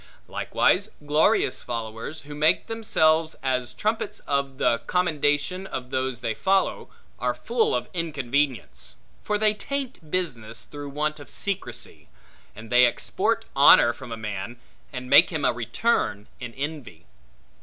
Likewise glorious followers, who make themselves as trumpets of the commendation of those they follow, are full of inconvenience; for they taint business through want of secrecy; and they export honor from a man, and make him a return in envy.